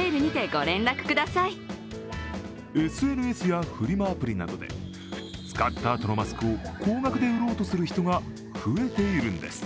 ＳＮＳやフリマアプリなどで使ったあとのマスクを高額で売ろうとする人が増えているんです。